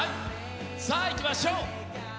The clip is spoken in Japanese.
さあいきましょう。